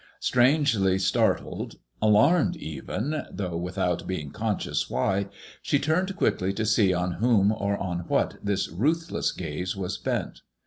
Strangely startled, alarmed even, though without being conscious why, she turned quickly to see on whom or on what this ruthless gaze was bent.